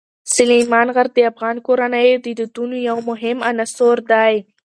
سلیمان غر د افغان کورنیو د دودونو یو مهم عنصر دی.